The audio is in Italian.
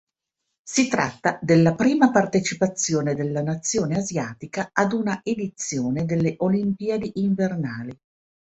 Si tratta della prima partecipazione della nazione asiatica ad una edizione delle Olimpiadi invernali.